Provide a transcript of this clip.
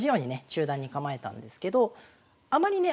中段に構えたんですけどあまりね